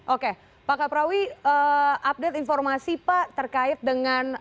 oke pak kaprawi update informasi pak terkait dengan